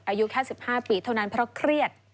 อายุแค่๑๕ปีเท่านั้นเพราะเครียด